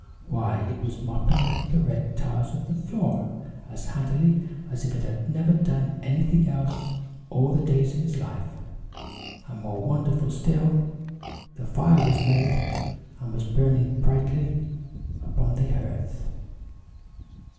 Why, it was mopping up the red tiles of the floor as handily as if it had never done anything else all the days of its life; and more wonderful still, the fire was made, and was burning brightly upon the hearth!